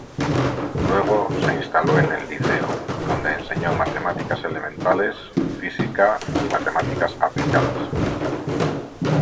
Luego se instaló en el Liceo, donde enseñó matemáticas elementales, física y matemáticas aplicadas.